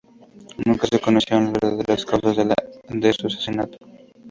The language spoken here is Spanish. Nunca se conocieron las verdaderas causas de su asesinato.